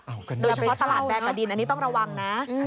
โดยเฉพาะตลาดแดงกับดินอันนี้ต้องระวังนะ